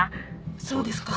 そうですか。